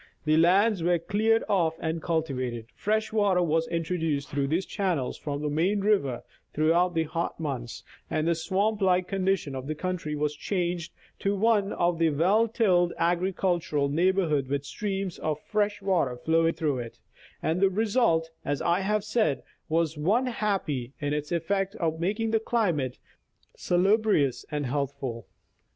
The lands were cleared off and cultivated, fresh water was introduced through these channels from the main river throughout the hot months, and the swamp like condition of the country was changed to one of a well tilled agricultural neighborhood with streams of fresh water flowing through it ; and the result, as I have said, was one happy in its effect of making the climate salubrious and healthful.